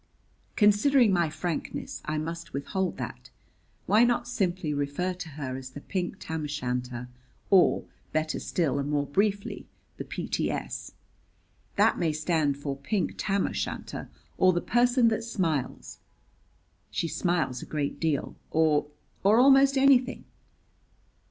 "Considering my frankness I must withhold that. Why not simply refer to her as the pink tam o' shanter or, better still and more briefly, the P.T.S.? That may stand for pink tam o' shanter, or the Person That Smiles, she smiles a great deal, or or almost anything."